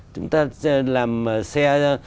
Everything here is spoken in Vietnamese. chúng ta làm xe